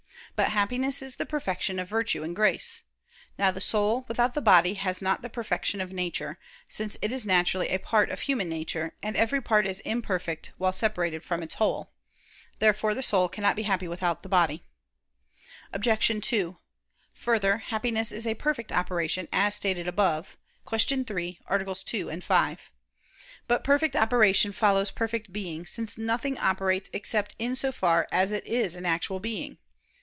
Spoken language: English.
But Happiness is the perfection of virtue and grace. Now the soul, without the body, has not the perfection of nature; since it is naturally a part of human nature, and every part is imperfect while separated from its whole. Therefore the soul cannot be happy without the body. Obj. 2: Further, Happiness is a perfect operation, as stated above (Q. 3, AA. 2, 5). But perfect operation follows perfect being: since nothing operates except in so far as it is an actual being.